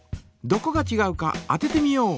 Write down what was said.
どこがちがうか当ててみよう！